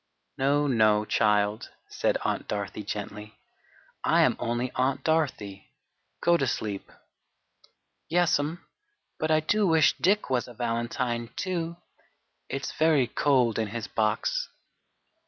"No, no, child," said Aunt Dorothy gently, "I am only Aunt Dorothy. Go to sleep." "Yes'm; but I do wish Dick was a valentine, too! It's very cold in his box."